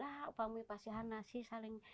selalu memasak nasi